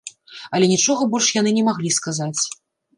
Але нічога больш яны не маглі сказаць.